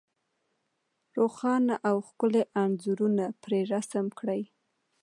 روښانه او ښکلي انځورونه پرې رسم کړي.